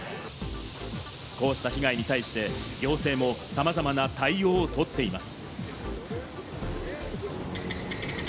こうした被害に対して、行政もさまざまな対応をとっています。